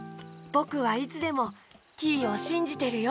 ぼくはいつでもキイをしんじてるよ！